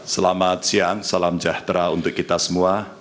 selamat siang salam sejahtera untuk kita semua